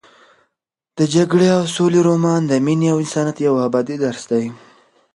د جګړې او سولې رومان د مینې او انسانیت یو ابدي درس دی.